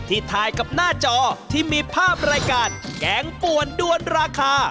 ถ่ายกับหน้าจอที่มีภาพรายการแกงป่วนด้วนราคา